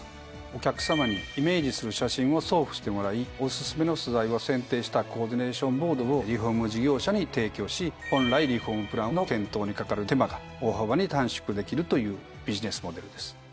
お客さまにイメージする写真を送付してもらいおすすめの素材を選定したコーディネーションボードをリフォーム事業者に提供し本来リフォームプランの検討にかかる手間が大幅に短縮できるというビジネスモデルです。